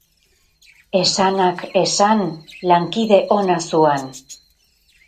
Esanak esan, lankide ona zuan.